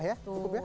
udah ya cukup ya